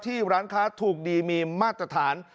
ร้านค้าถูกดีมีมาตรฐาน